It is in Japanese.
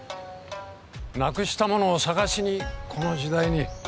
なくしたものを捜しにこの時代に。